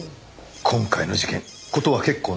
今回の事件事は結構ナーバス。